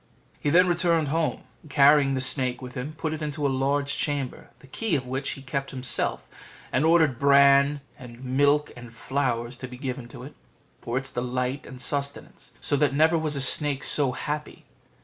He then returned home, and carrying the snake with him, put it into a large chamber, the key of which he kept himself, and ordered bran, milk, and flowers to be given to it, for its delight and sustenance; so that never was snake so happy.